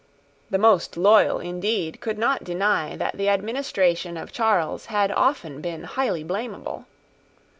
The most loyal, indeed, could not deny that the administration of Charles had often been highly blamable.